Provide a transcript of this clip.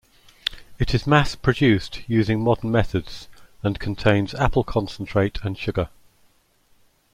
It is mass-produced using modern methods, and contains apple concentrate and sugar.